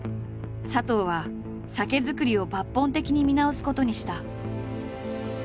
佐藤は酒造りを抜本的に見直すことにした。